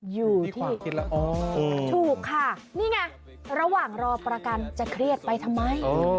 อยู่ที่ถูกค่ะนี่ไงระหว่างรอประกันจะเครียดไปทำไม